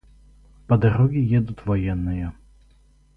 По дороге едут военные.